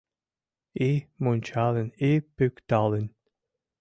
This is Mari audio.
И мунчалын, и пӱкталын